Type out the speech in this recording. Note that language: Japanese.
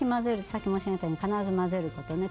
さっき申し上げたように必ず混ぜることね。